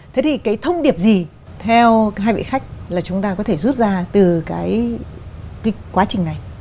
thế thì cái thông điệp gì theo hai vị khách là chúng ta có thể rút ra từ cái quá trình này